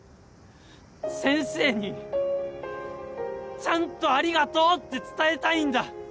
先生にちゃんと「ありがとう」って伝えたいんだ！